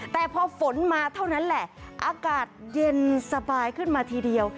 แต่พอฝนมาเท่านั้นแหละอากาศเย็นสบายขึ้นมาทีเดียว